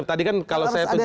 tadi kan kalau saya